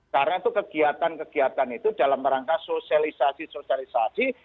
karena itu kegiatan kegiatan itu dalam rangka sosialisasi sosialisasi